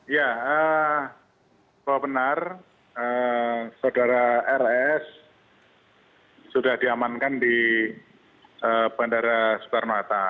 ya benar saudara rs sudah diamankan di bandara soekarno hatta